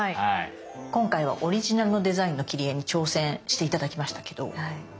今回はオリジナルのデザインの切り絵に挑戦して頂きましたけどどうでしたか？